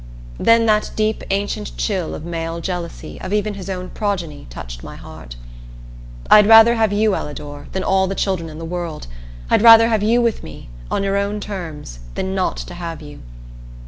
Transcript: Then that deep ancient chill of male jealousy of even his own progeny touched my heart. "I'd rather have you, Ellador, than all the children in the world. I'd rather have you with me on your own terms than not to have you."